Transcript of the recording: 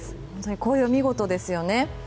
紅葉が見事ですよね。